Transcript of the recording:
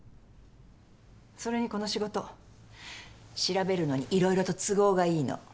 それにこの仕事調べるのにいろいろと都合がいいの。